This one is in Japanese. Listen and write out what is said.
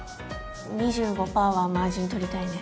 ２５％はマージン取りたいね。